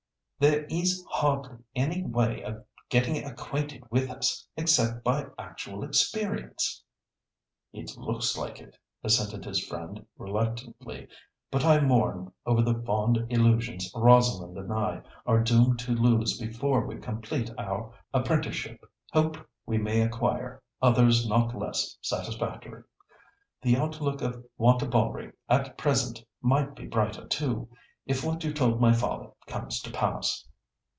There is hardly any way of getting acquainted with us, except by actual experience." "It looks like it," assented his friend, reluctantly; "but I mourn over the fond illusions Rosalind and I are doomed to lose before we complete our apprenticeship. Hope we may acquire others not less satisfactory. The outlook at Wantabalree at present might be brighter too, if what you told my father comes to pass."